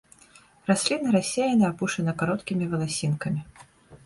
Расліна рассеяна апушана кароткімі валасінкамі.